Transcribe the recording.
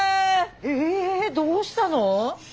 ええどうしたの？